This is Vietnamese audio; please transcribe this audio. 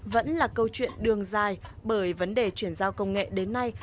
vẫn là câu chuyện đường dài bởi vấn đề chuyển giao công nghệ đến nay